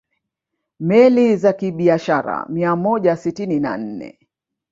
Meli za kibiashara mia moja sitini na nne